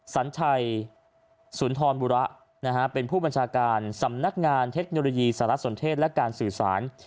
สัญชัยสุนทรบุระเป็นผู้บัญชาการสำนักงานเทคโนโลยีสารสนเทศและการสื่อสาร